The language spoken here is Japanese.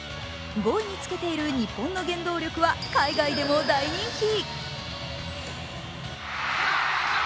５位につけている日本の原動力は海外でも大人気。